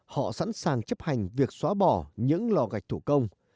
họ sẵn sàng chấp hành việc xóa bỏ những lò gạch thủ công